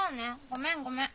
ごめんごめん。